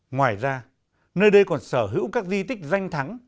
ngoài ra nơi đây còn sở hữu các di tích danh thắng